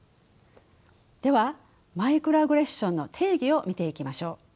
ではマイクロアグレッションの定義を見ていきましょう。